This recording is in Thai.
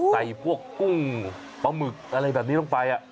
ใส่พวกกุ้งปลาหมึกอะไรแบบนี้ลงไป